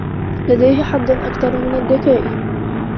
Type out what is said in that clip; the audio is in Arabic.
لديه حظ أكثر من الذكاء.